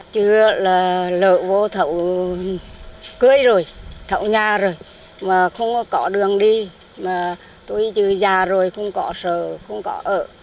chưa là lỡ vô thậu cưới rồi thậu nhà rồi mà không có có đường đi mà tôi chưa già rồi không có sở không có ở